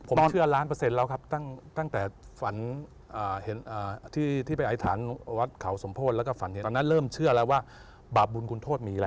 ผมเชื่อล้านเปอร์เซ็นต์แล้วครับตั้งแต่ฝันที่ไปอธิษฐานวัดเขาสมโพธิแล้วก็ฝันเห็นตอนนั้นเริ่มเชื่อแล้วว่าบาปบุญคุณโทษมีแล้ว